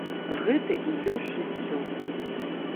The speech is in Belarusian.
Гэта і ёсць жыццё!